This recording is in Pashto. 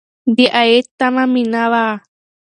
د عاید تمه مې نه وه کړې.